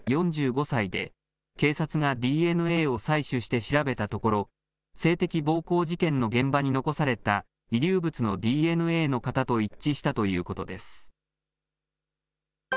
４５歳で、警察がＤＮＡを採取して調べたところ、性的暴行事件の現場に残された、遺留物のＤＮＡの型と一致したということです。